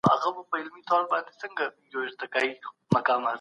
هغه نجلۍ ګلبشره نومېده.